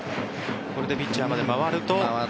これでピッチャーまで回ると。